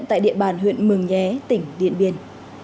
tại địa bàn huyện mường nhé tỉnh điện biên